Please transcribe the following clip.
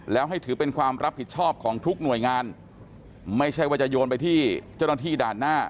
แล้วให้ถือเป็นความรับผิดชอบของทุกหน่วยงานไม่ใช่ว่าจะโยนไปที่เจ้าหน้าที่ด่านหน้า